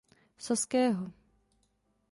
Saského.